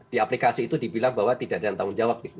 di aplikasi itu dibilang bahwa tidak ada yang tanggung jawab gitu